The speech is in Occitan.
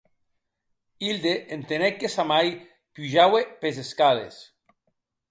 Hilde entenec que sa mair pujaue pes escales.